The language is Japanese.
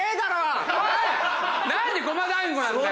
何でゴマ団子なんだよ